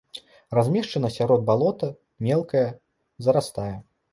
Размешчана сярод балота, мелкае, зарастае.